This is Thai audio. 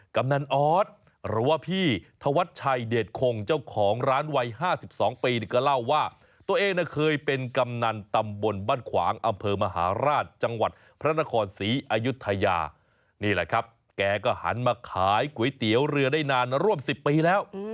แกะก็หันมาขายก๋วยเตี๋ยวเรือได้นานร่วม๑๐ปีแล้ว